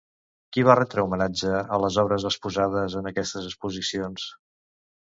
Qui va retre homenatge a les obres exposades en aquestes exposicions?